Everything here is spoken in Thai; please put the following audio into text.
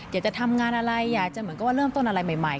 อยากจะทำงานอะไรอยากจะเหมือนกับว่าเริ่มต้นอะไรใหม่